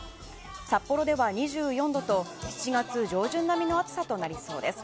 札幌では２４度と７月上旬並みの暑さとなりそうです。